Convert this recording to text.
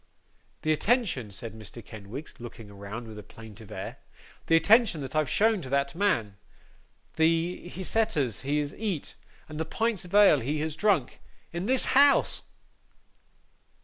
'The attention,' said Mr. Kenwigs, looking around with a plaintive air, 'the attention that I've shown to that man! The hyseters he has eat, and the pints of ale he has drank, in this house